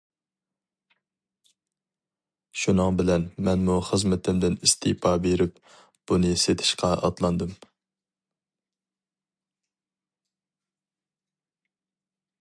شۇنىڭ بىلەن مەنمۇ خىزمىتىمدىن ئىستېپا بېرىپ، بۇنى سېتىشقا ئاتلاندىم.